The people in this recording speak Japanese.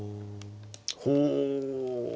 ほう！